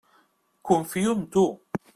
Confio en tu.